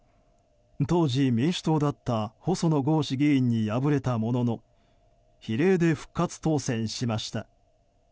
当時、民主党だった細野豪志議員に敗れたものの比例で復活当選しました。